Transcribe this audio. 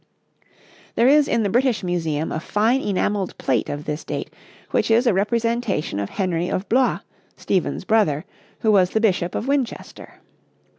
There is in the British Museum a fine enamelled plate of this date which is a representation of Henry of Blois, Stephen's brother, who was the Bishop of Winchester.